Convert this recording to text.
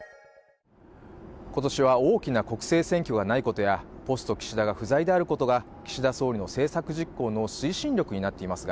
今年は大きな国政選挙がないことやポスト岸田が不在であることが岸田総理の政策実行の推進力になっていますが